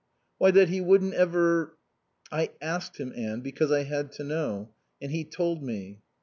"Why, that he wouldn't ever " "I asked him, Anne, because I had to know. And he told me."